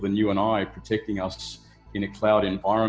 orang orang yang lebih bijak daripada anda dan saya